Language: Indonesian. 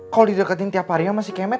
kalo dideketin tiap hari sama si kemet